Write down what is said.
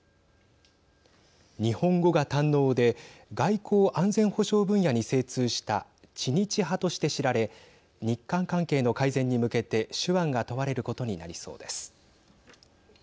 日本語が堪能で外交・安全保障分野に精通した知日派として知られ日韓関係の改善に向けて手腕が問われることになりそうです。